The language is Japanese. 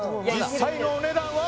実際のお値段は？